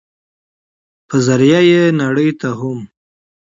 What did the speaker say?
په ذريعه ئې نړۍ ته هم